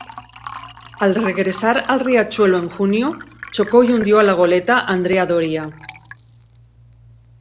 Al regresar al Riachuelo en junio chocó y hundió a la goleta "Andrea Doria".